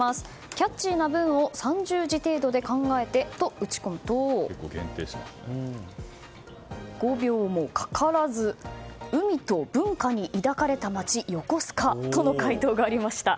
キャッチーな文を３０字程度で考えてと打ち込むと５秒もかからず海と文化に抱かれた街横須賀との回答がありました。